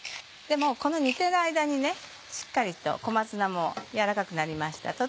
この煮てる間にしっかりと小松菜も軟らかくなりました。